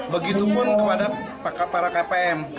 begitupun kepada para kpm